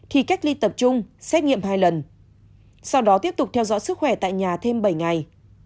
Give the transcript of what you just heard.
thì cách ly tập trung xét nghiệm hai lần sau đó tiếp tục theo dõi sức khỏe tại nhà thêm bảy ngày